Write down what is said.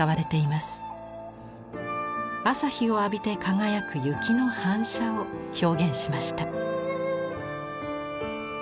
朝日を浴びて輝く雪の反射を表現しました。